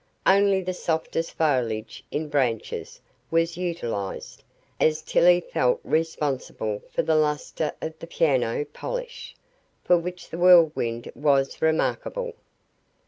Only the softest foliage, in branches, was utilized, as Tillie felt responsible for the luster of the "piano" polish, for which the Whirlwind was remarkable.